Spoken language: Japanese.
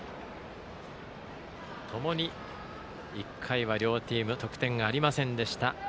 ともに１回は両チーム得点がありませんでした。